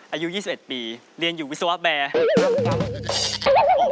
อายุ๒๑ปีเรียนอยู่วิศวะแบร์